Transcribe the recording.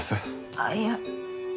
あっいや。